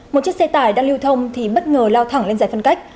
một chiếc xe tải đang lưu thông thì bất ngờ lao thẳng lên giải phân cách